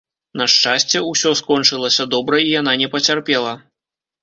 На шчасце, усё скончылася добра і яна не пацярпела.